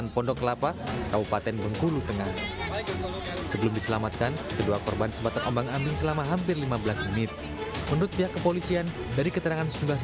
pada saat mau pulang ada ombak besar menggulung korban tersebut